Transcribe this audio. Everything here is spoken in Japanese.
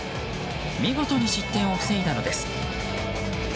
見事に失点を防いだのです。